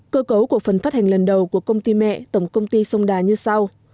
cơ cấu của phần phát hành lần đầu của công ty mẹ tổng công ty sông đà như sau